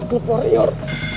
anak lu warrior